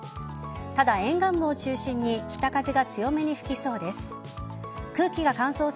ただ、沿岸部を中心に北風が強めに吹きそうです。